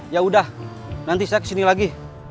yaudah nanti saya kesini lagi